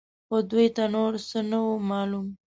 خو دوی ته نور څه نه وو معلوم.